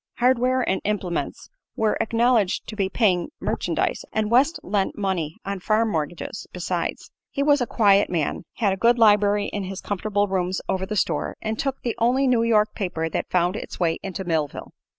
Hardware and implements were acknowledged to be paying merchandise, and West lent money on farm mortgages, besides. He was a quiet man, had a good library in his comfortable rooms over the store, and took the only New York paper that found its way into Millville.